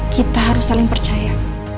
kita harus saling percaya